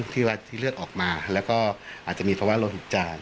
ที่เลือดออกมาแล้วก็อาจจะมีภาวะโลหิตจาง